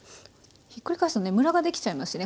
ひっくり返すとねムラができちゃいますしね。